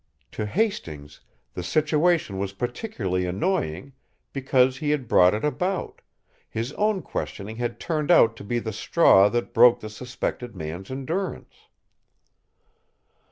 To Hastings the situation was particularly annoying because he had brought it about; his own questioning had turned out to be the straw that broke the suspected man's endurance.